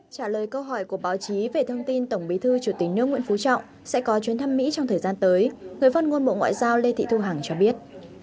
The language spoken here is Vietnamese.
trả lời câu hỏi của báo chí về thông tin tổng bí thư chủ tịch nước nguyễn phú trọng sẽ có chuyến thăm mỹ trong thời gian tới người phát ngôn bộ ngoại giao lê thị thu hằng cho biết